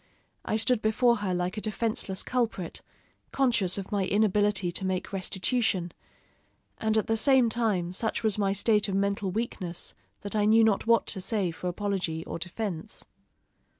I stood before her like a defenseless culprit, conscious of my inability to make restitution; and at the same time, such was my state of mental weakness that I knew not what to say for apology or defense.